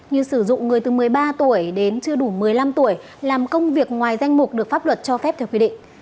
như sử dụng người từ một mươi ba tuổi đến chưa đủ một mươi năm tuổi làm công việc ngoài danh mục được pháp luật cho phép theo quy định